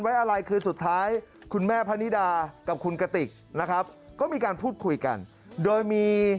อะไรคือสุดท้ายคุณแม่พะนิดากับคุณกติกนะครับก็มีการพูดคุยกันโดยมี